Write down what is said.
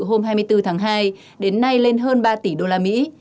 hôm hai mươi bốn tháng hai đến nay lên hơn ba tỷ đô la mỹ